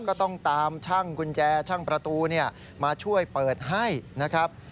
ก็ต้องตามช่างกุญแจช่างประตูมาช่วยเปิดให้นะครับ